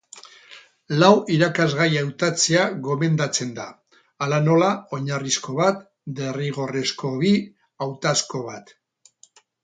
Lau irakasgai hautatzea gomendatzen da, hala nola, oinarrizko bat, derrigorrezko bi, hautazko bat.